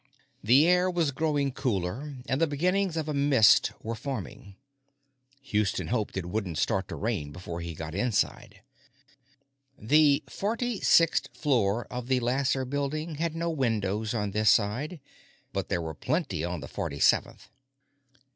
The air was growing cooler, and the beginnings of a mist were forming. Houston hoped it wouldn't start to rain before he got inside. The forty sixth floor of the Lasser Building had no windows on this side, but there were plenty on the forty seventh.